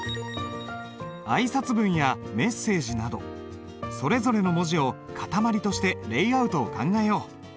挨拶文やメッセージなどそれぞれの文字を塊としてレイアウトを考えよう。